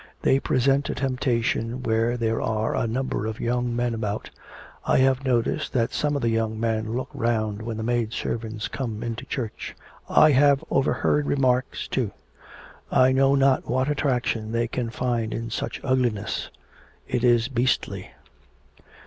They present a temptation where there are a number of young men about. I have noticed that some of the young men look round when the maid servants come into church. I have overheard remarks too.... I know not what attraction they can find in such ugliness. It is beastly.'